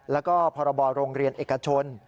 แล้วก็พรบโรงเรียนเอกชน